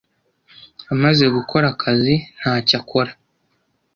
Amaze gukora akazi, ntacyo akora.